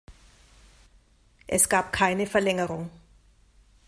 Es gab keine Verlängerung.